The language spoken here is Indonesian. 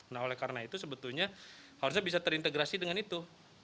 nah oleh karena itu sebetulnya harusnya bisa terintegrasi dengan itu